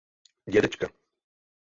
Dědečka.